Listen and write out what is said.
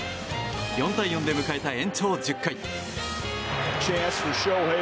４対４で迎えた延長１０回。